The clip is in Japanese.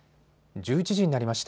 １１時になりました。